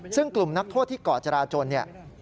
ซึ่งกลุ่มนักโทษที่ก่อจราจนเนี่ย